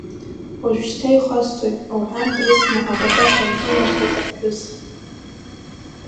Ожәшьҭа ихасҵоит, лҳәан, дрыцны, акәатаҳәа лҿыналхеит аԥҳәыс.